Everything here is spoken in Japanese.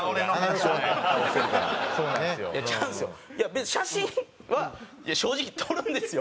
別に写真は正直撮るんですよ。